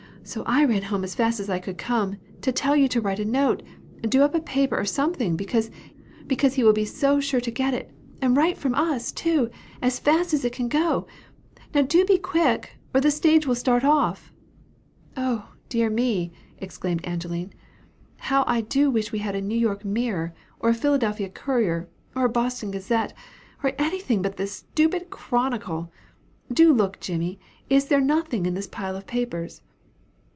So I ran home as fast as I could come, to tell you to write a note, or do up a paper, or something, because he will be so sure to get it and right from us, too, as fast as it can go. Now do be quick, or the stage will start off." "Oh, dear me," exclaimed Angeline, "how I do wish we had a New York Mirror, or a Philadelphia Courier, or a Boston Gazette, or anything but this stupid Chronicle! Do look, Jimmy! is there nothing in this pile of papers?"